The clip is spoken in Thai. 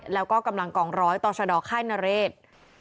แล้วก็กำลังกองร้อยต่อชะดอค่ายนเรศ